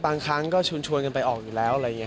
บางครั้งก็ชวนกันไปออกอีกแล้ว